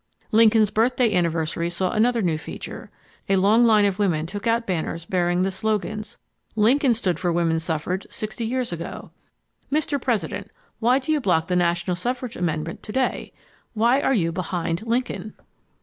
Lincoln's birthday anniversary saw another new feature. A long line of women took out banners bearing the slogans: LINCOLN STOOD FOR WOMAN SUFFRAGE 60 YEARS AGO. MR. PRESIDENT, WHY DO YOU BLOCK THE NATIONAL SUFFRAGE AMENDMENT TO DAY? WHY ARE YOU BEHIND LINCOLN?